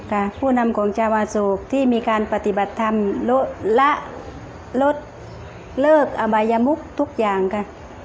ผู้นำของชาวาโศกที่มีการปฏิบัติธรรมละลดเลิกอบายมุกทุกอย่างค่ะ